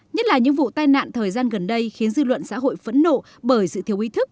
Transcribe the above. nhất là những vụ tai nạn thời gian gần đây khiến dư luận xã hội phẫn nộ bởi sự thiếu ý thức